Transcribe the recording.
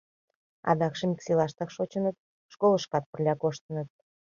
Адакшым ик селаштак шочыныт, школышкат пырля коштыныт.